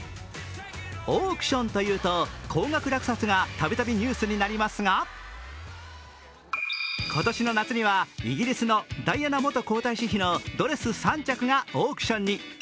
オークションというと高額落札がたびたびニュースになりますが今年の夏にはイギリスのダイアナ元皇太子妃のドレス３着がオークションに。